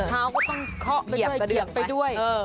ขาวก็ต้องเข้าเหยียบไปด้วย